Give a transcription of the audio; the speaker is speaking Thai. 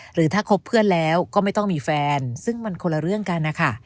หรือถ้าคบเพื่อนแล้วก็ไม่ต้องมีแฟนซึ่งมันคนละเรื่องกันนะคะ